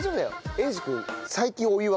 英二君。